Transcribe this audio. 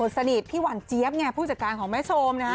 พี่หวันเจี๊ยบไงผู้จัดการของแม่ชมนะฮะ